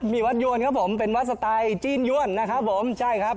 มีวัดยวนครับผมเป็นวัดสไตล์จีนย่วนนะครับผมใช่ครับ